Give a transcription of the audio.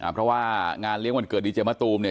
เพราะว่างานเลี้ยงวันเกิดดีเจมะตูมเนี่ย